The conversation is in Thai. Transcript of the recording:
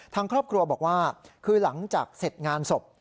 ทางครอบครัวบอกว่าคือหลังจากเสร็จงานศพ